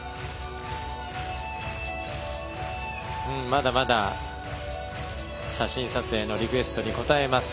まだまだ写真撮影のリクエストに応えます。